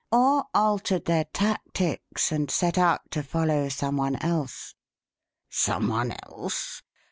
"Or altered their tactics and set out to follow some one else." "Some one else?